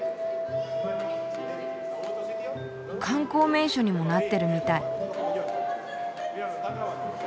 観光名所にもなってるみたい。